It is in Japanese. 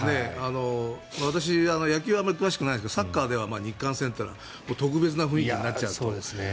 私、野球はあまり詳しくないですけどサッカーでは日韓戦というのは特別な雰囲気になっちゃうと。